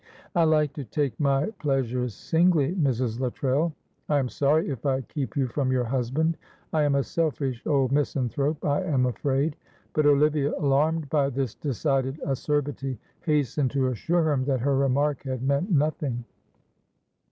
"I like to take my pleasures singly, Mrs. Luttrell. I am sorry if I keep you from your husband. I am a selfish old misanthrope, I am afraid;" but Olivia, alarmed by this decided acerbity, hastened to assure him that her remark had meant nothing.